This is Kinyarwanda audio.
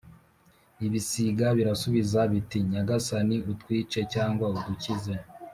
Ibisiga birasubiza biti «Nyagasani, utwice cyangwa udukize